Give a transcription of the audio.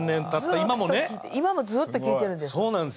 今もずっと聴いてるんです。